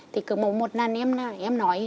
thì cứ một lần em nói